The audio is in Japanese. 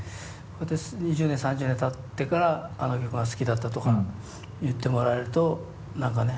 こうやって２０年３０年たってからあの曲が好きだったとか言ってもらえると何かね